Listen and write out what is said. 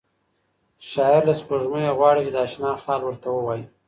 شاعر له سپوږمۍ غواړي چې د اشنا حال ورته ووایي.